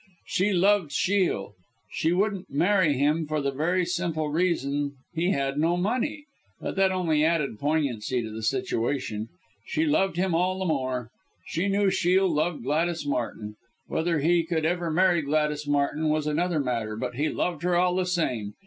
She loved Shiel. She wouldn't marry him for the very simple reason he had no money but that only added poignancy to the situation. She loved him all the more. She knew Shiel loved Gladys Martin. Whether he could ever marry Gladys was another matter but he loved her all the same.